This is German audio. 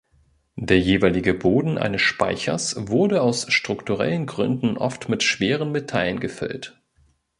Der jeweilige Boden eines Speichers wurde aus strukturellen Gründen oft mit schweren Metallen gefüllt.